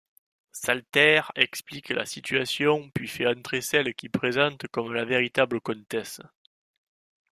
Salter explique la situation puis fait entrer celle qu'il présente comme la véritable comtesse.